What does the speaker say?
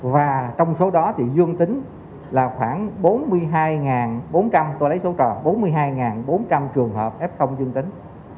và trong số đó thì dương tính là khoảng bốn mươi hai bốn trăm linh tôi lấy số trò bốn mươi hai bốn trăm linh trường hợp f dương tính